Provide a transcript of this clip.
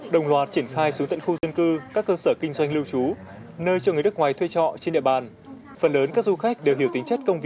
đồng loạt triển khai xuống tận khu dân cư các cơ sở kinh doanh lưu trú nơi cho người đất ngoài thuê trọ trên địa bàn